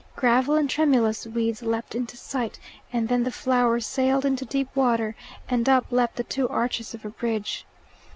Gravel and tremulous weeds leapt into sight, and then the flower sailed into deep water, and up leapt the two arches of a bridge.